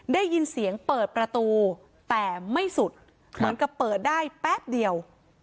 ได้ยินเสียงเปิดประตูแต่ไม่สุดเหมือนกับเปิดได้แป๊บเดียว